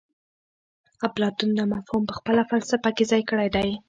اپلاتون دا مفهوم په خپله فلسفه کې ځای کړی دی